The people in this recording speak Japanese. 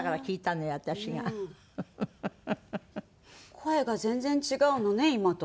声が全然違うのね今と。